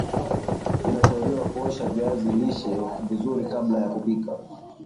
inashauriwa kuosha viazi lishe vizuri kabla ya kupika